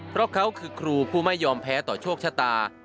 เพราะเขาคือครูผู้ไม่ยอมแพ้ต่อโชคชะตา